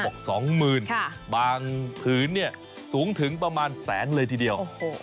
บอก๒๐๐๐บางผืนเนี่ยสูงถึงประมาณแสนเลยทีเดียว